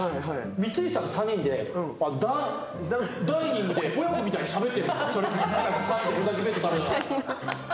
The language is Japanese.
光石さんと３人でダイニングで親子みたいにしゃべっているんですよ。